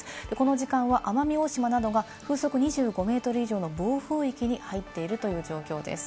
この時間は奄美大島などが風速２５メートル以上の暴風域に入っているという状況です。